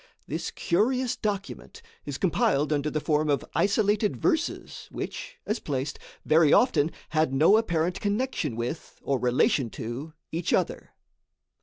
This curious document is compiled under the form of isolated verses, which, as placed, very often had no apparent connection with, or relation to each other.